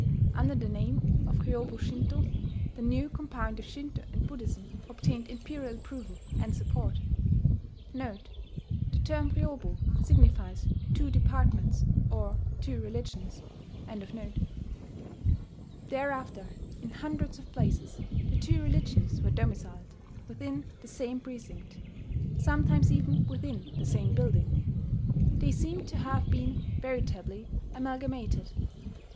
Under the name of Ryobu Shinto,* the new compound of Shinto and Buddhism obtained imperial approval and support. [*The term "Ryobu" signifies "two departments" or "two religions."] Thereafter, in hundreds of places, the two religions were domiciled within the same precinct sometimes even within the same building: they seemed to have been veritably amalgamated.